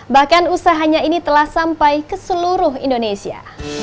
bahkan usahanya ini telah sampai ke seluruh indonesia